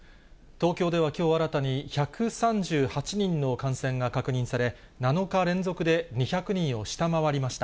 東京ではきょう、新たに１３８人の感染が確認され、７日連続で２００人を下回りました。